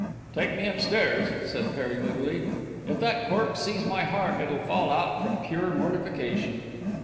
"Take me up stairs," said Perry moodily. "If that cork sees my heart it'll fall out from pure mortification."